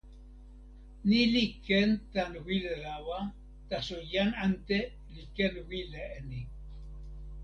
ni li ken tan wile lawa, taso jan ante li ken wile e ni.